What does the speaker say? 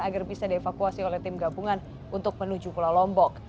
agar bisa dievakuasi oleh tim gabungan untuk menuju pulau lombok